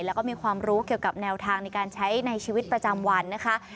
แล้วก็มีความรู้เกี่ยวกับแนวทางในการใช้ในชีวิตประจำวันนะคะ